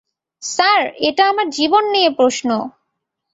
Sir, এটা আমার জীবন নিয়ে প্রশ্ন!